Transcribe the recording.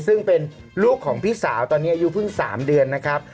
ซึ่งเป็นลูกของพี่สาวตอนนี้อายุเพิ่ง๓เดือนนะครับ